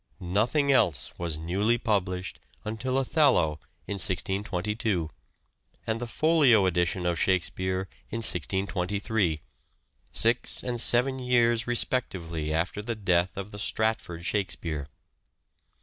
Nothing else was newly published until " Othello " in 1622, and the Folio edition of Shakespeare "in 1623 ; six and seven years respectively after the death of the Stratford Shakspere.